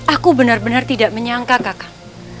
aku benar benar tidak menyangka kakak